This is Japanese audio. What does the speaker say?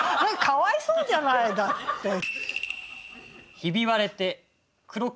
かわいそうじゃないだって。